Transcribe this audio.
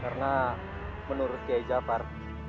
karena menurut kiai jafar